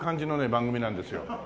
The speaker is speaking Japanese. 番組なんですよ。